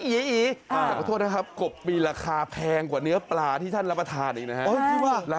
ขอโทษนะครับกบมีราคาแพงกว่าเนื้อปลาที่ท่านรับประทานอีกนะครับ